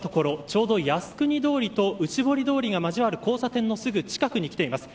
ちょうど靖国通りと内堀通りが交わる交差点のすぐ近くに来ています。